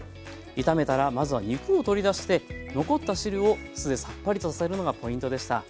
炒めたらまずは肉を取り出して残った汁を酢でさっぱりとさせるのがポイントでした。